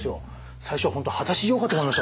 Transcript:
最初本当果たし状かと思いました。